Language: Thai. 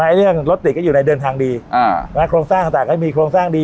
เรื่องรถติดก็อยู่ในเดินทางดีโครงสร้างต่างก็มีโครงสร้างดี